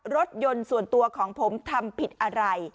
รถยนต์ส่วนตัวของผมทำผิดอะไร